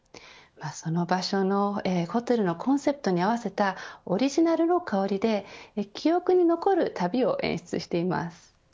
その場所のホテルのコンセプトに合わせたオリジナルの香りで記憶に残る旅を演出しています。